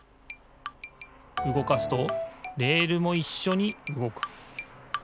うごかすとレールもいっしょにうごく。